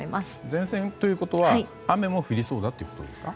前線ということは雨も降りそうということですか？